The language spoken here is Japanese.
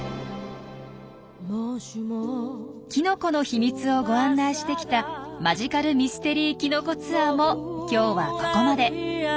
キノコのひみつをご案内してきたマジカル・ミステリー・きのこ・ツアーも今日はここまで。